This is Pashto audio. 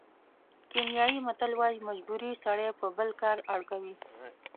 کینیايي متل وایي مجبوري سړی په بېل کار اړ کوي.